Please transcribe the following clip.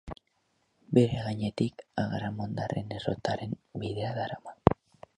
Bere gainetik Agramondarren errotaren bidea darama.